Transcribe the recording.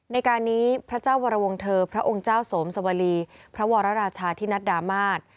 ในการนี้พระเจ้าวรวงเธอพระองค์เจ้าสวมสวรีพระวรราชาธินัดดามาศ